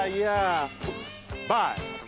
バイ！